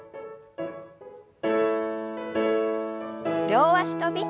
両脚跳び。